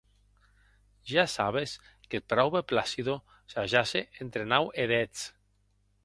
Ja sabes qu’eth praube Plácido s’ajace entre nau e dètz.